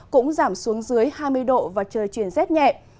cũng giảm xuống dưới hai mươi độ và trời chuyển rét nhẹ